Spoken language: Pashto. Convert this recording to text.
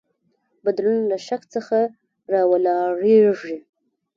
بدلون له شک څخه راولاړیږي.